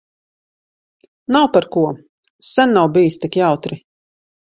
Nav par ko. Sen nav bijis tik jautri.